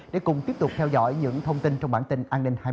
hãy cùng tiếp tục theo dõi những thông tin trong bản tin an ninh hai mươi bốn h